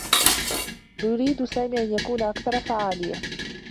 يريد سامي أن يكون أكثر فعاليّة.